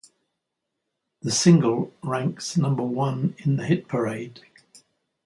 The single ranks number one in the hit parade.